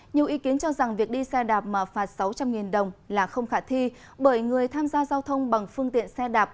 nhiều ý kiến cho rằng việc đi xe đạp mà phạt sáu trăm linh đồng là không khả thi bởi người tham gia giao thông bằng phương tiện xe đạp